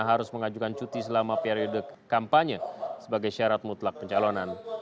harus mengajukan cuti selama periode kampanye sebagai syarat mutlak pencalonan